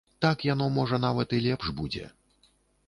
Так яно, можа, нават і лепш будзе.